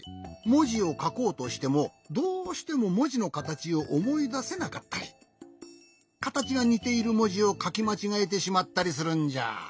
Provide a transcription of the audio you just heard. もじをかこうとしてもどうしてももじのかたちをおもいだせなかったりかたちがにているもじをかきまちがえてしまったりするんじゃ。